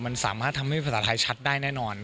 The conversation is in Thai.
มันสามารถทำให้ภาษาไทยชัดได้แน่นอน